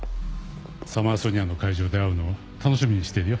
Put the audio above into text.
サマーソニアの会場で会うのを楽しみにしているよ